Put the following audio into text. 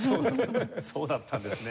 そうだったんですね。